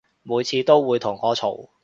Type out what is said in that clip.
每次都會同我嘈